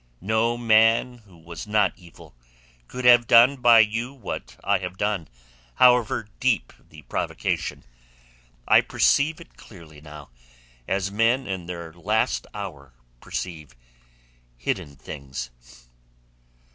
"No man who was not evil could have done by you what I have done, however deep the provocation. I perceive it clearly now—as men in their last hour perceive hidden things."